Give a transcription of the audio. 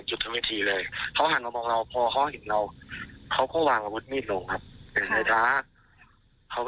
หรือไทยอายุ๓๕ปีเป็นฝ่ายใช้มีดพับที่เตรียมมาแทน